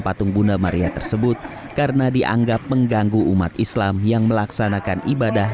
patung bunda maria tersebut karena dianggap mengganggu umat islam yang melaksanakan ibadah